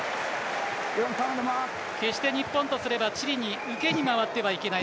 決して、日本とすればチリに受けに回ってはいけない。